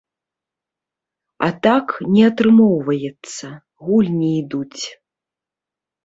А так, не атрымоўваецца, гульні ідуць.